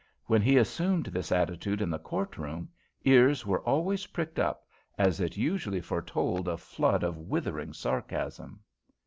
When he assumed this attitude in the court room, ears were always pricked up, as it usually foretold a flood of withering sarcasm.